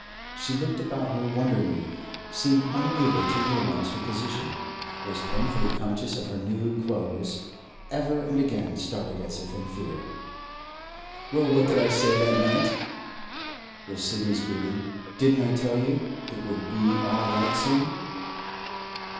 She looked about her wonderingly, seemed unable to realise her position, was painfully conscious of her new clothes, ever and again started as if in fear. 'Well, what did I say that night?' was Sidney's greeting. 'Didn't I tell you it would be all right soon?